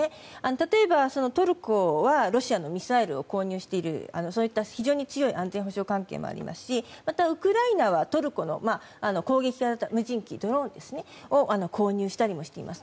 例えばトルコはロシアのミサイルを購入しているという、非常に強い安全保障関係もありますしまた、ウクライナはトルコの攻撃型無人機いわゆるドローンを購入したりもしています。